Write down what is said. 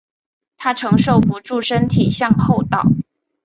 她承受不住身体向后倒